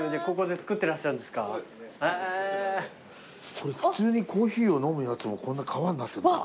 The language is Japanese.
これ普通にコーヒーを飲むやつもこんな革になってるんだな。